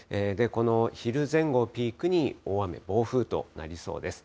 昼前後をピークに大雨、暴風となりそうです。